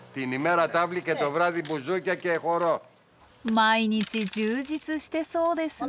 毎日充実してそうですね。